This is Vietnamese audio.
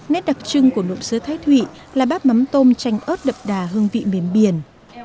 nét đặc trưng của nộm sứa thái thụy là bát mắm tôm chanh ớt đậm đà hương vị mềm biển